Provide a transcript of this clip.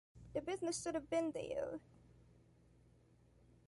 The business should have been there.